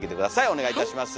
お願いいたします。